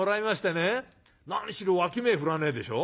何しろ脇目振らねえでしょ。